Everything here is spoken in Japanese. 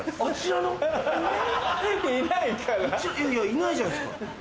いないじゃないですか。